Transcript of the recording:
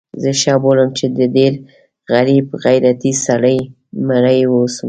زه ښه بولم چې د ډېر غریب غیرتي سړي مریی اوسم.